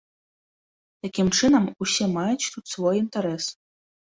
Такім чынам, усе маюць тут свой інтарэс.